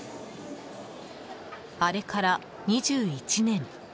あれから２１年。